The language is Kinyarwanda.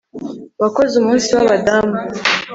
Wakoze Umunsi wAbadamu